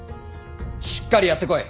しっかりやってこい！